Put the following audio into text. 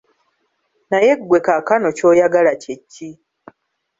Naye ggwe kaakano ky'oyagala kye ki?